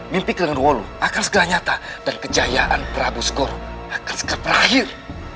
mimpi kalian dua akan segera nyata dan kejayaan prabu skoro akan segera berakhir